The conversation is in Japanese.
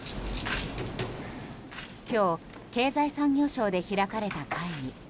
今日、経済産業省で開かれた会議。